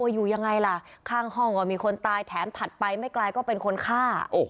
อยู่ยังไงล่ะข้างห้องก็มีคนตายแถมถัดไปไม่ไกลก็เป็นคนฆ่า